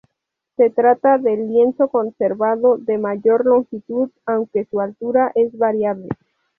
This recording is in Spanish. Se trata del lienzo conservado de mayor longitud, aunque su altura es variable.